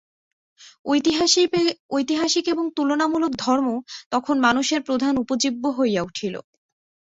ঐতিহাসিক এবং তুলনামূলক ধর্ম তখন মানুষের প্রধান উপজীব্য হইয়া উঠিল।